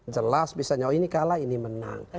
jelas bisa nyawa ini kalah ini menang